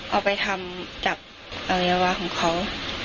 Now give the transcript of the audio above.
เอาไปทำจับอวัยวะของเขา